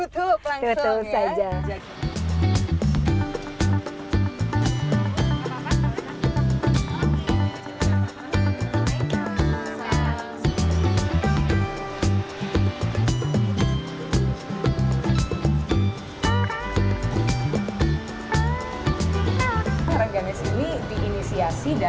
tutup langsung ya